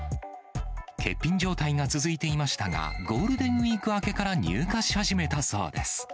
欠品状態が続いていましたが、ゴールデンウィーク明けから入荷し始めたそうです。